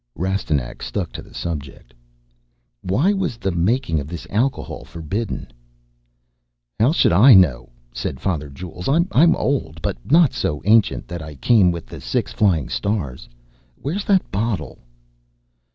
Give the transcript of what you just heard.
Rastignac stuck to the subject "Why was the making of this alcohol forbidden?" "How should I know?" said Father Jules. "I'm old, but not so ancient that I came with the Six Flying Stars.... Where is that bottle?"